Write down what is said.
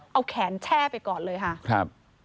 เอาแขนแช่ไปก่อนเลยค่ะครับ